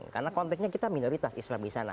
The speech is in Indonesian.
karena konteksnya kita minoritas islam di sana